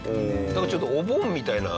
だからちょっとお盆みたいな。